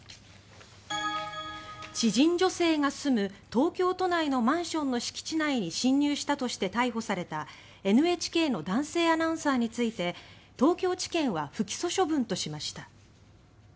知人女性が住む東京都内のマンションの敷地内に侵入したとして逮捕されたＮＨＫの男性アナウンサーについて東京地検は不起訴処分としました。